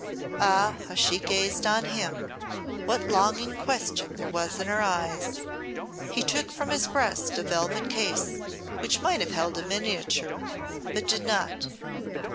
Ah, how she gazed on him, what longing question there was in her eyes! He took from his breast a velvet case which might have held a miniature, but did not.